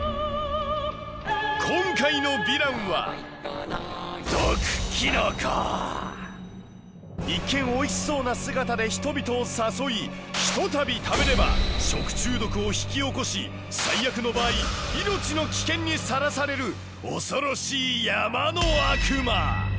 今回のヴィランは一見おいしそうな姿で人々を誘いひとたび食べれば食中毒を引き起こし最悪の場合命の危険にさらされる恐ろしい山の悪魔。